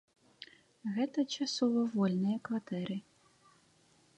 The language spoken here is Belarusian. Гэта часова вольныя кватэры.